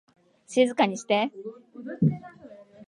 静かにして